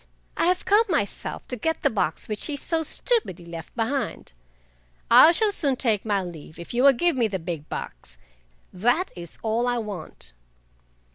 I have come myself to get the box which he so stupidly left behind. I shall soon take my leave if you will give me the big box—that is all I want!"